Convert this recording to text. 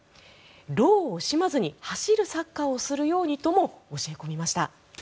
労を惜しまずに走るサッカーをするようにとも教え込みました。